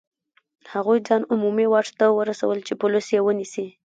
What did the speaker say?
هغوی ځان عمومي واټ ته ورسول چې پولیس یې ونیسي.